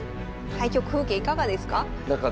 対局風景いかがですか？